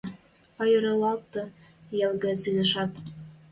Айырлалтде йӓл гӹц изишӓт.